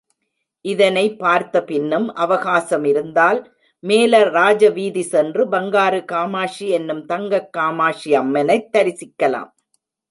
இத்தனை பார்த்த பின்னும் அவகாசம் இருந்தால் மேல ராஜவீதி சென்று பங்காரு காமாக்ஷி என்னும் தங்கக் காமாக்ஷியம்னைத் தரிசிக்கலாம்.